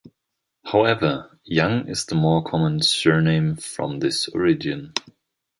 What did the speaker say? However, Young is the more common surname from this origin.